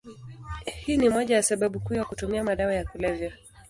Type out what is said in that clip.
Hii ni moja ya sababu kuu ya kutumia madawa ya kulevya.